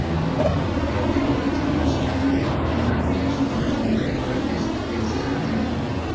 El templo tiene una sola nave, con capillas entre los contrafuertes y acceso lateral.